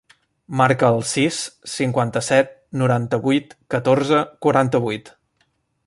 Marca el sis, cinquanta-set, noranta-vuit, catorze, quaranta-vuit.